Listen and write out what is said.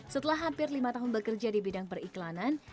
setelah hampir lima tahun bekerja di bidang periklanan